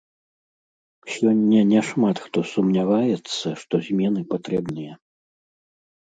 Сёння няшмат хто сумняваецца, што змены патрэбныя.